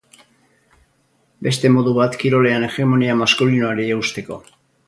Beste modu bat kirolean hegemonia maskulinoari eusteko.